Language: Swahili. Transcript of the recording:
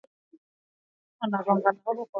Uganda kubuni kifaa cha kudhibiti uchafuzi wa hewa